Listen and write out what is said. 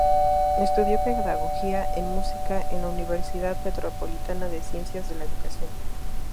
Estudió pedagogía en música en la Universidad Metropolitana de Ciencias de la Educación.